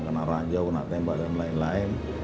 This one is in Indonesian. karena raja karena tembak dan lain lain